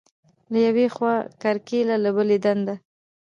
له یوې خوا کرکیله، له بلې دنده.